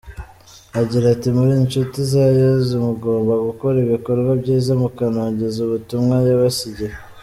Agira ati “Muri inshuti za Yezu mugomba gukora ibikorwa byiza mukanogeza ubutumwa yabasigiye.